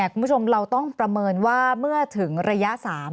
คุณผู้ชมเราต้องประเมินว่าเมื่อถึงระยะ๓